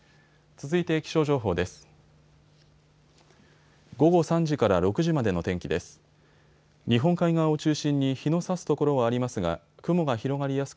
続いて気象情報です。